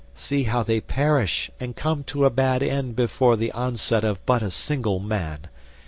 See how they perish and come to a bad end before the onset of but a single man.